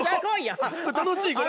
楽しいこれ。